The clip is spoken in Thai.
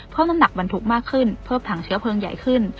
เพิ่มน้ำหนักบรรทุกมากขึ้นเพิ่มถังเชื้อเพลิงใหญ่ขึ้น